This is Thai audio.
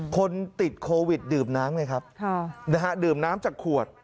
คนติดโควิดดื่มน้ำไงครับนะฮะดื่มน้ำจากขวด